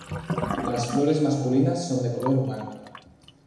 Las flores masculinas son de color blanco.